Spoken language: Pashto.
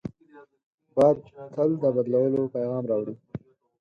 باد تل د بدلونو پیغام راوړي